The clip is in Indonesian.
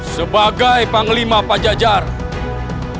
sebagai panglima pada jajaran